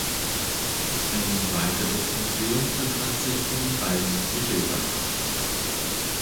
Ein weiteres Museum befand sich in Wald-Michelbach.